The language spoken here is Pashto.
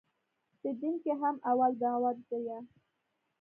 په دين کښې هم اول دعوت ديه.